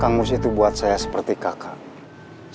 kamu situ buat saya seperti kaki